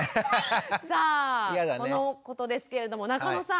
さあこのことですけれども中野さん。